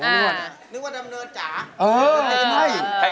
นึกว่าดำเนิดจ๋า